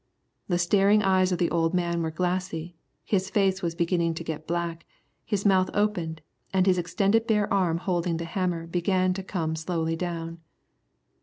The staring eyes of the old man were glassy, his face was beginning to get black, his mouth opened, and his extended bare arm holding the hammer began to come slowly down.